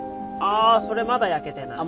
あそれまだ焼けてない。